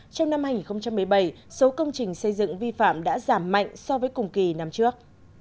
trong năm hai nghìn một mươi bảy số công trình xây dựng vi phạm đã giảm mạnh so với cùng kỳ năm trước